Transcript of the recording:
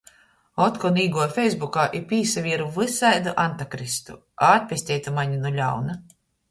Otkon īguoju feisbukā i pīsavieru vysaidu antakrystu, atpestej tu mani nu ļauna!